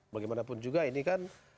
bagaimanapun juga ini kan